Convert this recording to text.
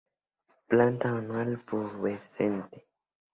Planta anual, pubescente.